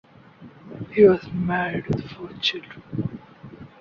He was married with four children.